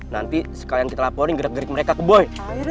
nanti sekalian kita laporin gerak gerik mereka ke boy